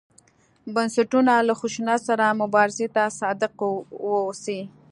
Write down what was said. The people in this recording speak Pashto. بنسټونه له خشونت سره مبارزې ته صادق واوسي.